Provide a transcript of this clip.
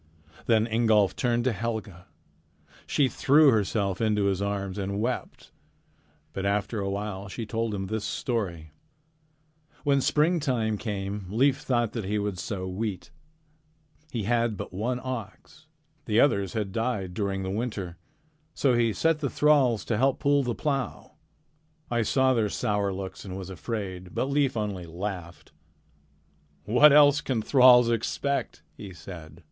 Then Ingolf turned to Helga. She threw herself into his arms and wept. But after a while she told him this story: "When springtime came, Leif thought that he would sow wheat. He had but one ox. The others had died during the winter. So he set the thralls to help pull the plow. I saw their sour looks and was afraid, but Leif only laughed: "'What else can thralls expect?' he said.